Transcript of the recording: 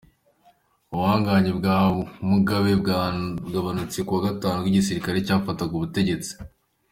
Ubuhangange bwa Mugabe bwagabanutse ku wa Gatatu ubwo igisirikare cyafataga ubutegetsi.